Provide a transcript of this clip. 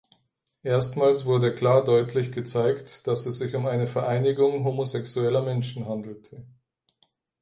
Erstmals wurde klar deutlich gezeigt, dass es sich um eine Vereinigung homosexueller Menschen handelte.